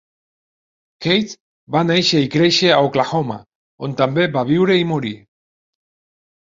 Keith va néixer i créixer a Oklahoma, on també va viure i morir.